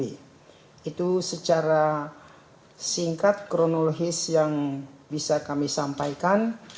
itu secara singkat kronologis yang bisa kami sampaikan